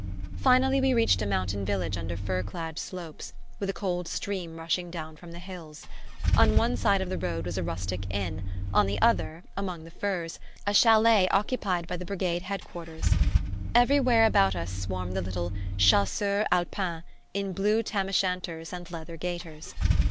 Finally we reached a mountain village under fir clad slopes, with a cold stream rushing down from the hills. On one side of the road was a rustic inn, on the other, among the firs, a chalet occupied by the brigade Head quarters. Everywhere about us swarmed the little "chasseurs Alpins" in blue Tam o'Shanters and leather gaiters.